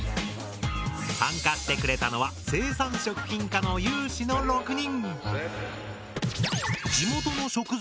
参加してくれたのは生産食品科の有志の６人！